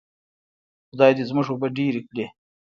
خدای دې زموږ اوبه ډیرې کړي.